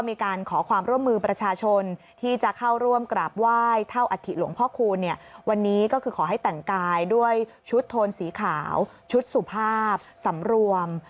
มีการขอความร่วมมือประชาชนที่จะเข้าร่วมกราบไหว้เท่าอัฐิหลวงพ่อคูณเนี่ยวันนี้ก็คือขอให้แต่งกายด้วยชุดโทนสีขาวชุดสุภาพสำรวม